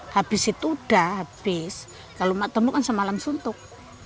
habis itu udah habis kalau emak temukan semalam suntuk